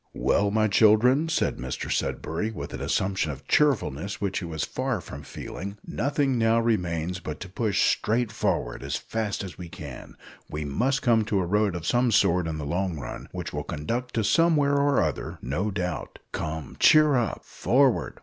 "Well, my children," said Mr Sudberry, with an assumption of cheerfulness which he was far from feeling, "nothing now remains but to push straight forward as fast as we can. We must come to a road of some sort in the long run, which will conduct to somewhere or other, no doubt. Come, cheer up; forward!